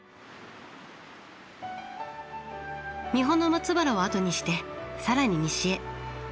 三保松原を後にして更に西へ。